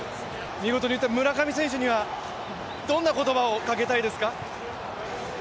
見事に打った村上選手は、どんな言葉をかけたいですか。